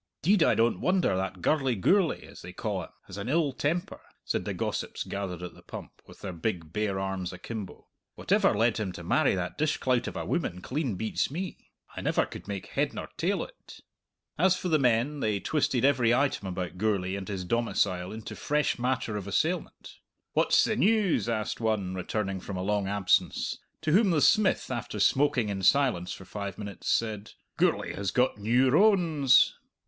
"'Deed, I don't wonder that gurly Gourlay, as they ca' him, has an ill temper," said the gossips gathered at the pump, with their big, bare arms akimbo; "whatever led him to marry that dishclout of a woman clean beats me! I never could make head nor tail o't!" As for the men, they twisted every item about Gourlay and his domicile into fresh matter of assailment. "What's the news?" asked one, returning from a long absence; to whom the smith, after smoking in silence for five minutes, said, "Gourlay has got new rones!"